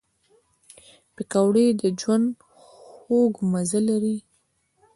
پکورې د ژوند خوږ مزه لري